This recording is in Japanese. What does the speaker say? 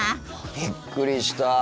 びっくりした。